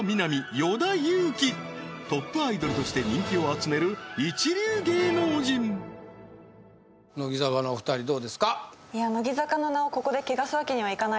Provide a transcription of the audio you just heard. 与田祐希トップアイドルとして人気を集める一流芸能人乃木坂のお二人どうですか？